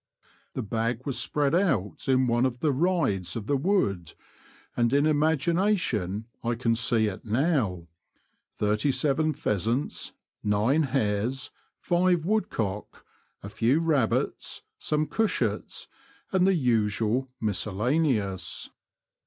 The bag was spread out in one of the rides of the wood, and in imagination I can see it now — thirty seven pheasants, nine hares, five woodcock, a few rabbits, some cushats, and the usual '^ miscel laneous."